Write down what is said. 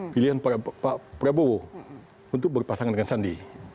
pilihan pak prabowo untuk berpasangan dengan sandi